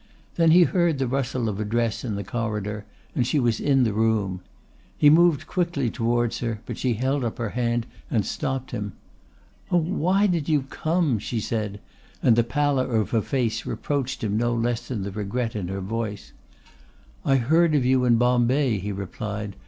Then he heard the rustle of a dress in the corridor, and she was in the room. He moved quickly towards her, but she held up her hand and stopped him. "Oh, why did you come?" she said, and the pallor of her face reproached him no less than the regret in her voice. "I heard of you in Bombay," he replied.